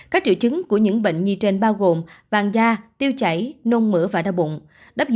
các triệu chứng của những bệnh nhi trên bao gồm vàng da tiêu chảy nôn mỡ và đa bụng